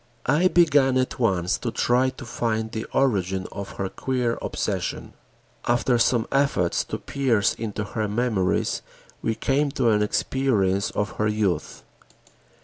I began at once to try to find the origin of her queer obsession. After some efforts to pierce into her memories, we came to an experience of her youth.